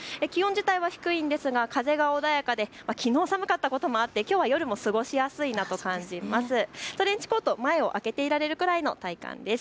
気温自体は低いんですが風が穏やかできのう寒かったこともあってきょうは夜も過ごしやすいなと感じます。